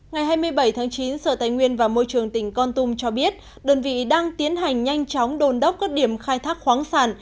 ngày hai mươi bảy tháng chín sở tài nguyên và môi trường tỉnh con tum cho biết đơn vị đang tiến hành nhanh chóng đồn đốc các điểm khai thác khoáng sản